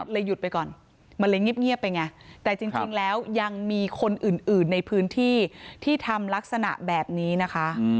หยุดไปก่อนมันเลยเงียบไปไงแต่จริงแล้วยังมีคนอื่นในพื้นที่ที่ทำลักษณะแบบนี้นะคะ